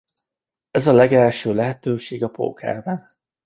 Ez a legalsó lehetőség a pókerben.